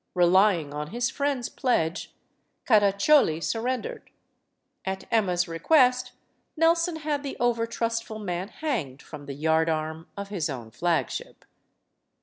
Relying on his friend's pledge, Caraccioli surrendered. At Emma's request Nelson had the overtrustful man hanged from the yardarm of his own flagship.